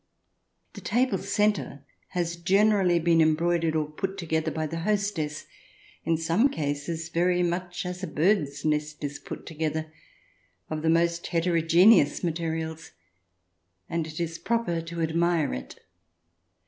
The table centre has generally been embroidered or put together by the hostess, in some cases very much as a bird's nest is put together, of the most hetero geneous materials, and it is proper to admire it.